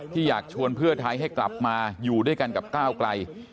อยากชวนเพื่อไทยให้กลับมาอยู่ด้วยกันกับก้าวไกล